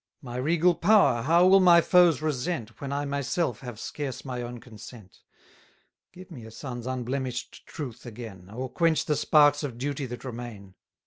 My regal power how will my foes resent, When I myself have scarce my own consent! 130 Give me a son's unblemish'd truth again, Or quench the sparks of duty that remain.